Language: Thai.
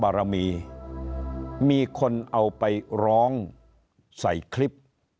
คือพระบรมูมีคนเอาไปร้องใส่คลิป